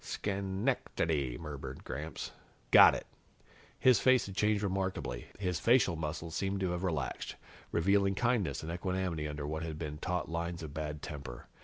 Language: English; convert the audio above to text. "Schen ec ta dy," murmured Gramps. "Got it!" His face had changed remarkably. His facial muscles seemed to have relaxed, revealing kindness and equanimity under what had been taut lines of bad temper.